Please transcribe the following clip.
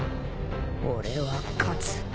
俺は勝つ。